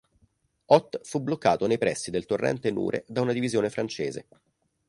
Ott fu bloccato nei pressi del torrente Nure da una divisione francese.